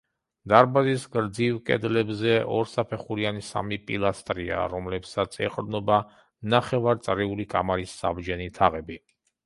დარბაზის გრძივ კედლებზე ორსაფეხურიანი სამი პილასტრია, რომლებსაც ეყრდნობა ნახევარწრიული კამარის საბჯენი თაღები.